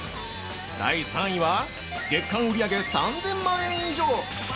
第３位は、月間売上３０００万円以上！